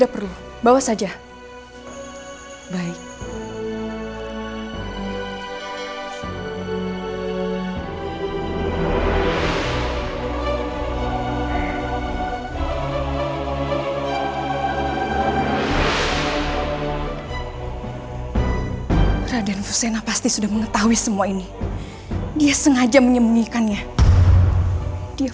permisi saya anandia dan saya anandia